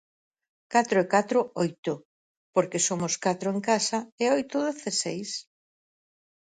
Catro e catro oito, porque somos catro en casa, e oito dezaseis.